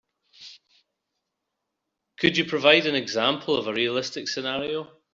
Could you provide an example of a realistic scenario?